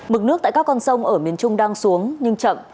mực nước tại các con sông ở miền trung đang xuống nhưng chậm